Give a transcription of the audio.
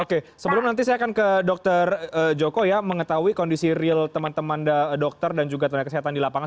oke sebelum nanti saya akan ke dr joko ya mengetahui kondisi real teman teman dokter dan juga tenaga kesehatan di lapangan